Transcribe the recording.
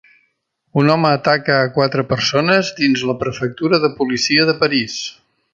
Un home ataca a quatre persones dins la Prefectura de Policia de París